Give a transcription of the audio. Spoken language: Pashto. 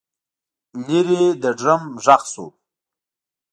لرې د ډرم غږ شو.